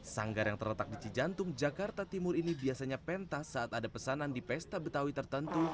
sanggar yang terletak di cijantung jakarta timur ini biasanya pentas saat ada pesanan di pesta betawi tertentu